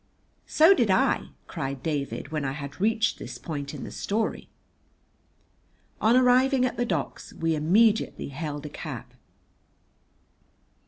"So did I!" cried David, when I had reached this point in the story. On arriving at the docks we immediately hailed a cab.